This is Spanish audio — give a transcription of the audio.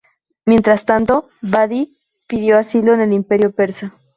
Mientras tanto, Badi pidió asilo en el Imperio Persa.